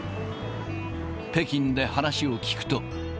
北京で話を聞くと。